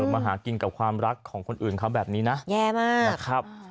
มาหากินกับความรักของคนอื่นเขาแบบนี้นะแย่มากนะครับ